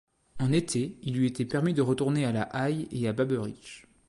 En été il lui était permis de retourner à La Haye et à Babberich.